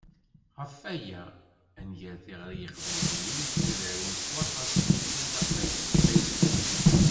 Ɣef waya, ad d-nger tiɣri i Yiqbayliyen akken ad ttarun s waṭas s tutlayt taqbaylit deg Facebook.